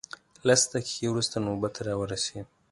لس دقیقې وروسته نوبت راورسېد.